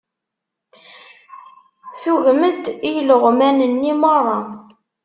Tugem-d i ileɣman-nni meṛṛa.